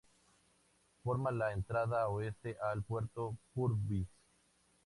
Forma la entrada oeste al puerto Purvis.